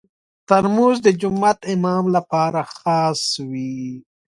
ترموز د جومات امام لپاره خاص وي.